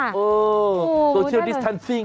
โอ้โหโซเชียลดิสตานซิ่ง